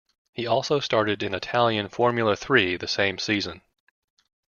He also started in Italian Formula Three the same season.